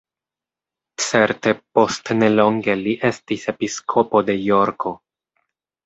Certe post nelonge li estis episkopo de Jorko.